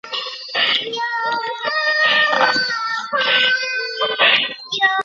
莱阳农学院。